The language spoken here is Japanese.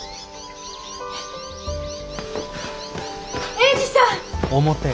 英治さん！